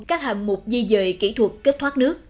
các hạng mục di dời kỹ thuật cấp thoát nước